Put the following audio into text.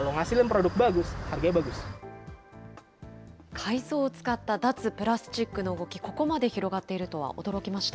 海藻を使った脱プラスチックの動き、ここまで広がっているとは驚きました。